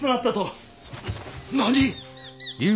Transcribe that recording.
何！？